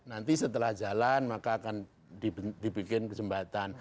nanti setelah jalan maka akan dibikin ke jembatan